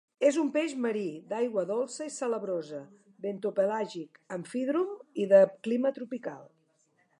És un peix marí, d'aigua dolça i salabrosa; bentopelàgic; amfídrom i de clima tropical.